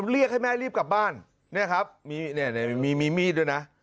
เรียกให้แม่รีบกลับบ้านนี่ครับมีมีดด้วยนะ